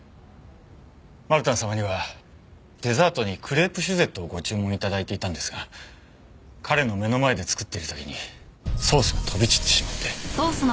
マルタン様にはデザートにクレープシュゼットをご注文頂いていたんですが彼の目の前で作っている時にソースが飛び散ってしまって。